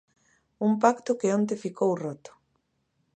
Un pacto que onte ficou roto.